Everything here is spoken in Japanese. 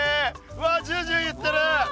うわジュージューいってる。